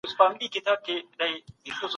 دوی پوهیږي که تاسو په سمه توګه ووایئ.